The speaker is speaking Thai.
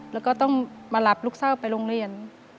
แล้วก็ต้องมารับลูกเศร้าไปโรงเรียน